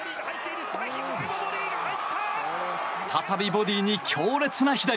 再びボディーに強烈な左。